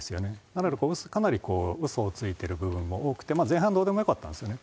なので、かなりうそをついてる部分も多くて、前半どうでもよかったんですよね。